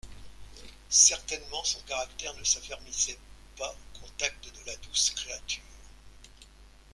Certainement son caractère ne s'affermissait pas au contact de la douce créature.